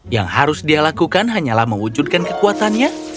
yang harus dia lakukan hanyalah mewujudkan kekuatannya